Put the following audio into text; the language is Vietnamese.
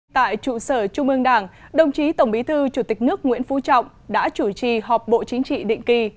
tại trụ sở trung ương đảng đồng chí tổng bí thư chủ tịch nước nguyễn phú trọng đã chủ trì họp bộ chính trị định kỳ